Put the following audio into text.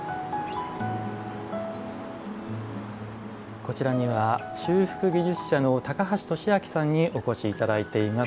こちらには、修復技術者の高橋利明さんにお越しいただいています。